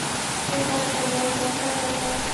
一般职员可分为等。